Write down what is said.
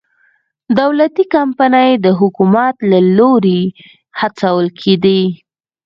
دولتي کمپنۍ د حکومت له لوري هڅول کېدې.